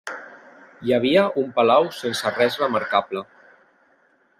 Hi havia un palau sense res remarcable.